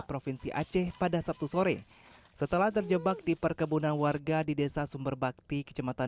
provinsi aceh pada sabtu sore setelah terjebak di perkebunan warga di desa sumberbakti kecematan